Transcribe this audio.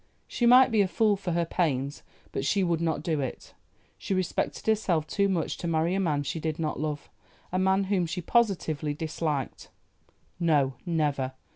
She might be a fool for her pains, but she would not do it. She respected herself too much to marry a man she did not love; a man whom she positively disliked. "No, never!"